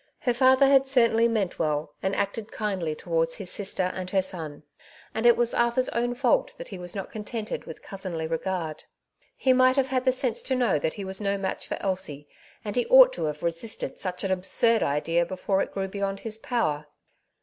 Her father had certainly meant well, and acted kindly towards his sister and her son ; and it was Arthur^s own fault that he was not contented with cousinly regard. He might have had the sense to know that he was no match for Elsie, and he ought to have resisted such an absurd idea before it grew beyond his power.